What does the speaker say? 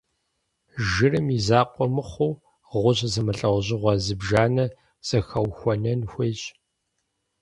Жырым и закъуэ мыхъуу, гъущӏ зэмылӏэужьыгъуэ зыбжанэ зэхэухуэнэн хуейщ.